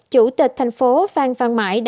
chủ tịch thành phố phan phan mãi